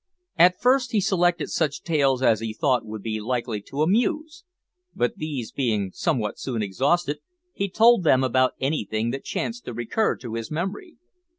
At first he selected such tales as he thought would be likely to amuse, but these being soon exhausted, he told them about anything that chanced to recur to his memory.